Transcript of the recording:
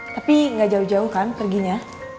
tapi nggak jauh jauh kan perginya